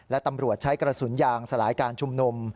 และตำรวจใช้กระสุนยางสลายการชุมนุม